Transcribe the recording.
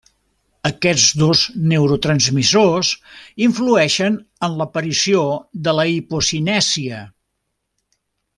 Aquests dos neurotransmissors influeixen en l'aparició de la hipocinèsia.